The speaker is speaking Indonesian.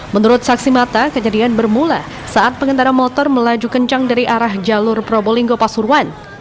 menurut saksi mata kejadian bermula saat pengendara motor melaju kencang dari arah jalur probolinggo pasuruan